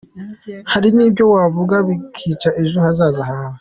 Hari n’ibyo wavuga bikica ejo hazaza hawe.